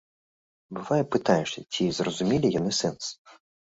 Бывае, пытаешся, ці зразумелі яны сэнс.